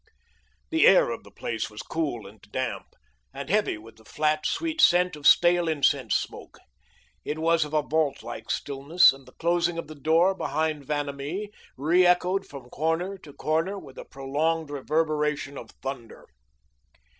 The air of the place was cool and damp, and heavy with the flat, sweet scent of stale incense smoke. It was of a vault like stillness, and the closing of the door behind Vanamee reechoed from corner to corner with a prolonged reverberation of thunder.